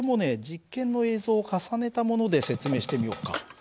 実験の映像を重ねたもので説明してみようか。